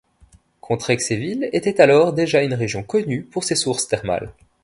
Contrexéville était alors déjà une région connue pour ses sources thermales.